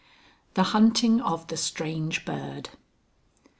THE HUNTING OF THE STRANGE BIRD.